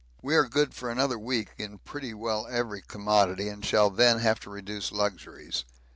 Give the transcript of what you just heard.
We are good for another week in pretty well every commodity and shall then have to reduce luxuries.